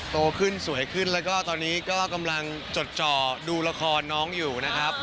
โตขึ้นสวยขึ้นแล้วก็ตอนนี้ก็กำลังจดจ่อดูละครน้องอยู่นะครับ